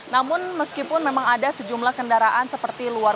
namun meskipun memang ada sejumlah kendaraan seperti luar